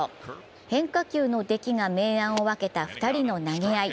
変化球の出来が明暗を分けた２人の投げ合い。